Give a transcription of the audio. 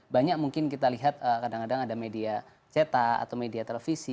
banyak mungkin kita lihat kadang kadang ada media cetak atau media televisi